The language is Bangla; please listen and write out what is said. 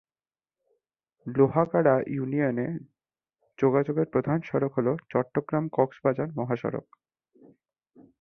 লোহাগাড়া ইউনিয়নে যোগাযোগের প্রধান সড়ক হল চট্টগ্রাম-কক্সবাজার মহাসড়ক।